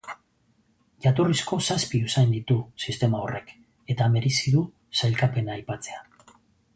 Jatorrizko zazpi usain ditu sistema horrek, eta merezi du sailkapena aipatzea.